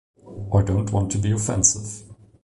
I don't want to be offensive